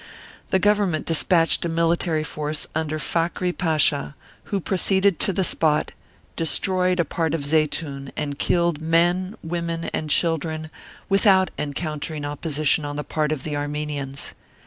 The Government despatched a military force under Fakhry Pasha, who proceeded to the spot, destroyed a part of Zeitoun, and killed men, women and chil dren, without encountering opposition on the part of the Armenians.